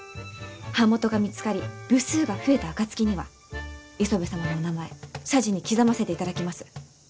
版元が見つかり部数が増えた暁には磯部様のお名前謝辞に刻ませていただきます。